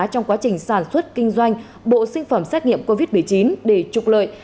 trong quá trình sản xuất kinh doanh bộ sinh phẩm xét nghiệm covid một mươi chín để trục lợi